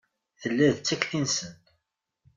Tella d takti-nsen.